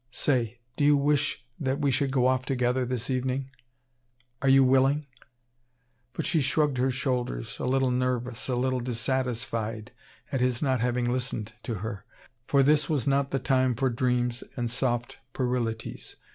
Say, do you wish that we should go off together this evening are you willing?" But she shrugged her shoulders, a little nervous, a little dissatisfied, at his not having listened to her, for this was not the time for dreams and soft puerilities.